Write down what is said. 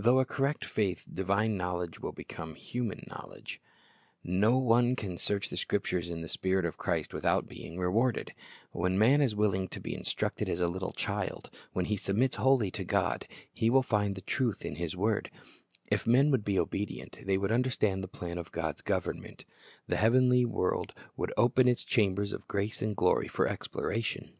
Through a correct faith, divine knowledge will become human knowledge. 114 Chris t^s Object Lessons No one can search the Scriptures in the spirit of Christ without being rewarded. When man is wilHng to be instructed as a Httle child, when he submits wholly to God, he will find the truth in His word. If men would be obedient, they would understand the plan of God's govern ment. The heavenly world would open its chambers of grace and glory for exploration.